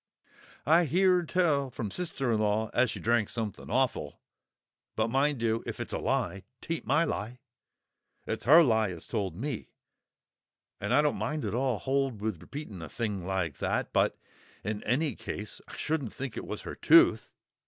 "I heeard tell from her sist'r 'n law as she drank somethin' awful; but, mind you, if it's a lie, 'taint my lie; it's her lie as told me. And I don't at all hold with repeating a thing like that. But in any case, I shouldn't think it was her tooth!